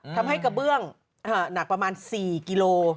ทำให้กระเบื้องหนักประมาณ๔กิโล